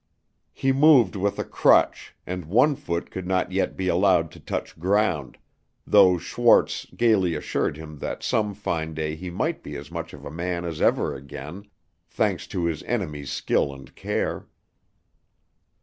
He moved with a crutch, and one foot could not yet be allowed to touch ground, though Schwarz gaily assured him that some fine day he might be as much of a man as ever again, thanks to his enemies' skill and care.